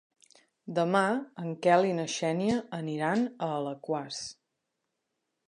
Demà en Quel i na Xènia aniran a Alaquàs.